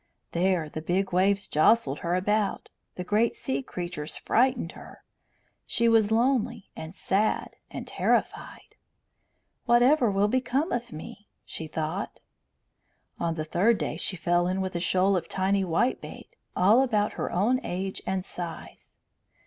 There the big waves jostled her about, the great sea creatures frightened her. She was lonely and sad and terrified. "Whatever will become of me?" she thought. On the third day she fell in with a shoal of tiny whitebait, all about her own age and size.